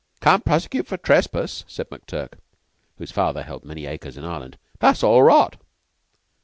'Can't prosecute for trespass," said McTurk, whose father held many acres in Ireland. "That's all rot!"